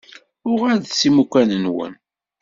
Uɣalet s imukan-nwen.